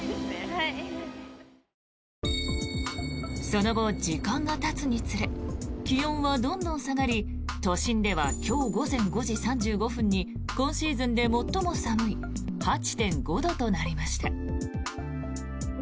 その後、時間がたつにつれ気温はどんどん下がり都心では今日午前５時３５分に今シーズンで最も寒い８．５度となりました。